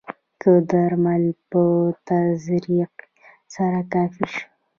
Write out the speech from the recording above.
که د درمل په تزریق سره کافر شي.